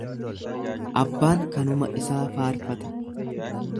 Abbaan kanuma isaa faarfata.